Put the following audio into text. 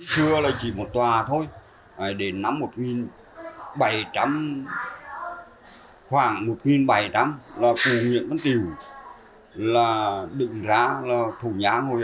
trước đó là chỉ một tòa thôi đến năm khoảng một bảy trăm linh là cụ nguyễn văn tiểu đứng ra là thủ nhã hồi